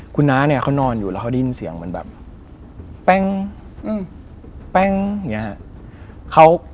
คุณน้าเนี่ยเขานอนอยู่แล้วเขาได้ยินเสียงเหมือนแบบแป้งแป้งอย่างนี้ฮะ